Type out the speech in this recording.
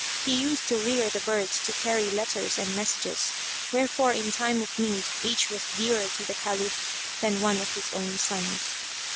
He used to rear the birds to carry letters and messages, wherefore in time of need each was dearer to the Caliph than one of his own sons.